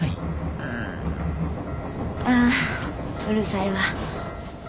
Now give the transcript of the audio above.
ああうるさいわ。